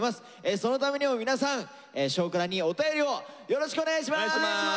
そのためにも皆さん「少クラ」にお便りをよろしくお願いします！